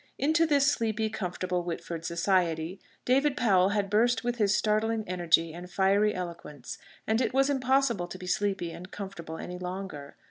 Into this sleepy, comfortable Whitford society David Powell had burst with his startling energy and fiery eloquence, and it was impossible to be sleepy and comfortable any longer.